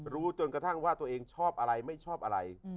รู้จนกระทั่งว่าตัวเองชอบอะไรไม่ชอบอะไร